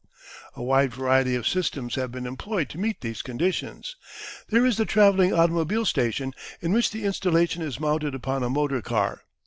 A wide variety of systems have been employed to meet these conditions. There is the travelling automobile station, in which the installation is mounted upon a motor car.